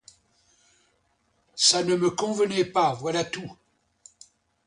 Ça ne me convenait pas, voilà tout.